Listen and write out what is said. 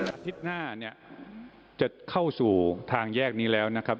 อาทิตย์หน้าเนี่ยจะเข้าสู่ทางแยกนี้แล้วนะครับ